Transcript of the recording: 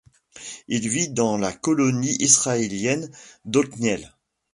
Il vit dans la colonie israélienne d'Otniel.